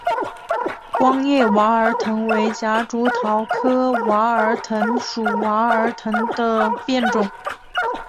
光叶娃儿藤为夹竹桃科娃儿藤属娃儿藤的变种。